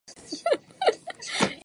终结美国处决少年犯的历史。